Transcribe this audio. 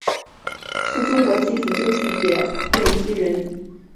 是中国技术经济学奠基人。